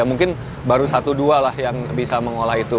mungkin baru satu dua lah yang bisa mengolah itu